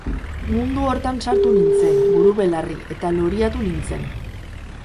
Mundu hortan sartu nintzen, buru-belarri, eta loriatu nintzen.